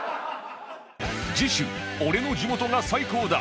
次週俺の地元が最高だ！